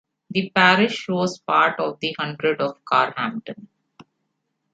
The parish was part of the hundred of Carhampton.